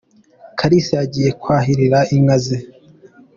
Kalisa yagiye kwahirira inka ze.